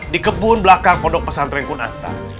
di kebun belakang kondok pesantren kunatta